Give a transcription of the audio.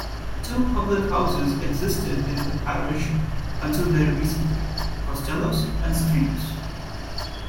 Two public houses existed in the parish until very recently, Costellos and Screenes.